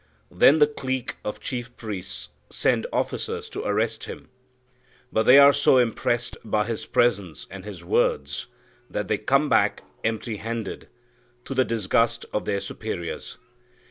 Then the clique of chief priests send officers to arrest Him. But they are so impressed by His presence and His words, that they come back empty handed, to the disgust of their superiors.